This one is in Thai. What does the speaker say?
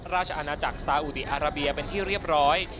ราชอาณาจักรสาวเดียรับียาเป็นที่เรียบร้อย